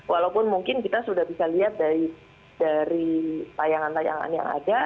walaupun mungkin kita sudah bisa lihat dari tayangan tayangan yang ada